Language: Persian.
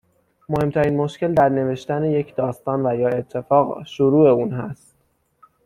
مهم ترین مشکل در نوشتن یک داستان و یا اتفاق ، شروع اون هست.